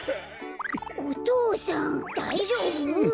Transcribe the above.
お父さんだいじょうぶ？